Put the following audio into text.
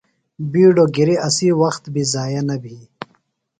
بِیڈوۡ گِری اسی وخت بی ضائع نہ بھی۔